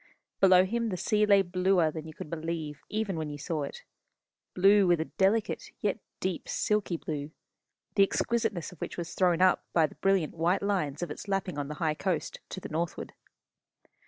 Below him the sea lay bluer than you could believe even when you saw it blue with a delicate yet deep silky blue, the exquisiteness of which was thrown up by the brilliant white lines of its lapping on the high coast, to the northward.